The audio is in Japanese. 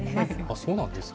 そうなんですか。